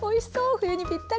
冬にぴったり。